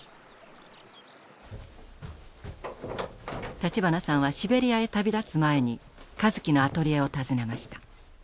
立花さんはシベリアへ旅立つ前に香月のアトリエを訪ねました。